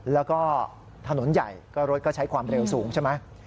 แล้วก็ถนนใหญ่ก็รถก็ใช้ความเร็วสูงใช่ไหม